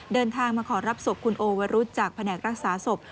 เดินทางมาขอรับศพคุณโอวรุษจากแผนกรักษาศพ